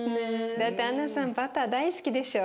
だってアンナさんバター大好きでしょ？